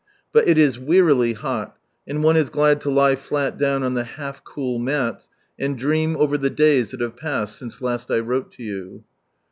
But it is wearily hot, and one is glad to lie flat down on the half cool mats, and dream over the days that have passed, since last I wrote to you.